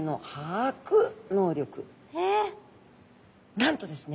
なんとですね